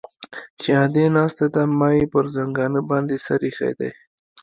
چې ادې ناسته ده ما يې پر زنګانه باندې سر ايښى دى.